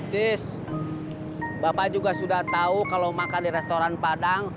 terus bapak juga sudah tahu kalau makan di restoran padang